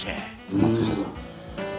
「松下さん」